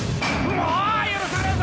もう許さねえぞ